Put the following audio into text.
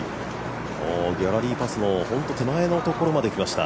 ギャラリーパスも手前のところまで来ました。